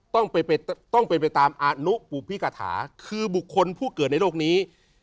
ต้องเป็นไปตามอนุปุพิกาถาคือบุคคลผู้เกิดในโลกนี้